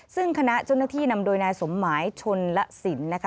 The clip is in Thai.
ซึ่งคณะเจ้าหน้าที่นำโดยนายสมหมายชนละสินนะคะ